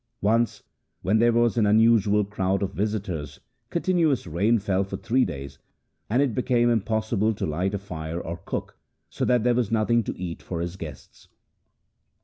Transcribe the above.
Once, when there was an unusual crowd of visitors, continuous rain fell for three days, and it became impossible to light a fire or cook, so that there was nothing to eat for his guests.